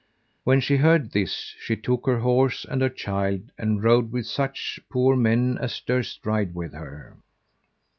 When she heard this, she took her horse and her child; and rode with such poor men as durst ride with her.